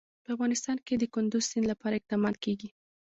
په افغانستان کې د کندز سیند لپاره اقدامات کېږي.